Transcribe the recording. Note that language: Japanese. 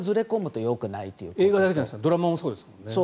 映画だけじゃなくてドラマもそうですもんね。